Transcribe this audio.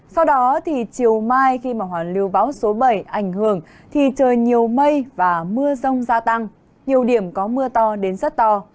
sau đó chiều mai khi hoàn liêu bão số bảy ảnh hưởng trời nhiều mây và mưa rông gia tăng nhiều điểm có mưa to đến rất to